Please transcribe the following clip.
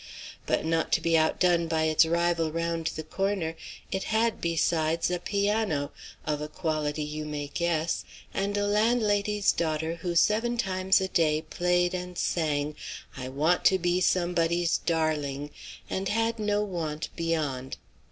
But, not to be outdone by its rival round the corner, it had, besides, a piano, of a quality you may guess, and a landlady's daughter who seven times a day played and sang "I want to be somebody's darling," and had no want beyond.